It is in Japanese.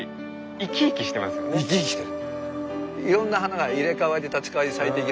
生き生きしてる。